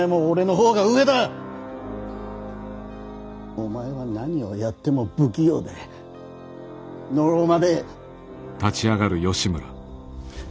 お前は何をやっても不器用でのろまで。